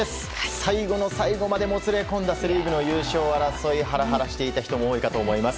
最後の最後までもつれ込んだセ・リーグの優勝争いハラハラしていた人も多いと思います。